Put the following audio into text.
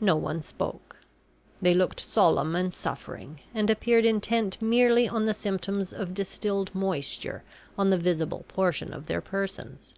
No one spoke. They looked solemn and suffering, and appeared intent merely on the symptoms of distilled moisture on the visible portion of their persons.